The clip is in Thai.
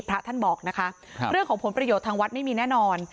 พระท่านบอกนะคะเรื่องของผลประโยชน์ทางวัดไม่มีแน่นอน